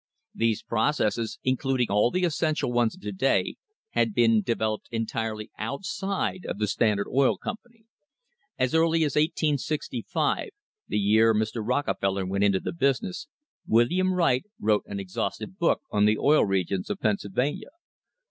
These processes, including all the essential ones of to day, had been developed entirely outside of the Standard Oil Company. As early as 1865, the year Mr. Rockefeller went into the business, William Wright wrote an exhaustive book on the Oil Re gions of Pennsylvania.